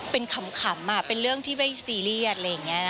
เป็นขำเป็นเรื่องที่ไม่ซีเรียสอะไรอย่างนี้นะ